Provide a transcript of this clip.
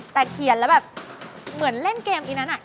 แต่เขียนแล้วแบบเหมือนเล่นเกมอีนั้น